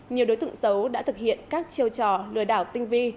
nhiều đối tượng xấu đã thực hiện các chiêu trò lừa đảo tinh vi